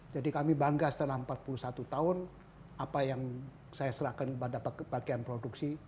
jadi kami bangga setelah empat puluh satu tahun apa yang saya serahkan kepada bagian produksi